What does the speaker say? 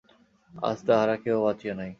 আজ তাহারা কেহ বাঁচিয়া নাই।